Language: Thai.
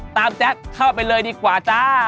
แจ๊คเข้าไปเลยดีกว่าจ้า